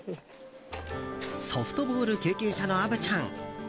ソフトボール経験者の虻ちゃん。